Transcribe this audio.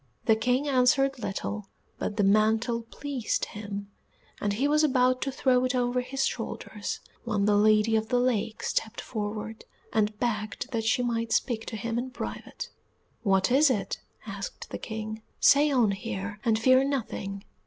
The King answered little, but the mantle pleased him, and he was about to throw it over his shoulders when the Lady of the Lake stepped forward, and begged that she might speak to him in private. "What is it?" asked the King. "Say on here, and fear nothing."